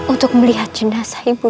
untuk melihat jenazah ibu